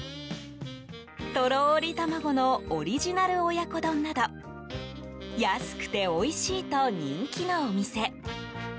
とろーり卵のオリジナル親子丼など安くておいしいと人気のお店。